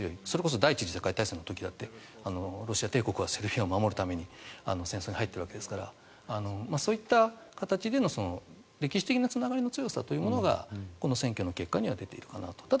それこそ第１次世界大戦の時だってロシア帝国はセルビアを守るために戦争に入っているわけですからそういった形での歴史的なつながりの強さというものがこの選挙の結果に出ているかなと。